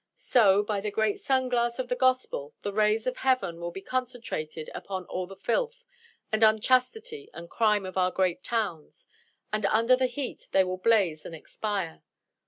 So, by the great sun glass of the Gospel, the rays of heaven will be concentred upon all the filth and unchastity and crime of our great towns, and under the heat they will blaze and expire.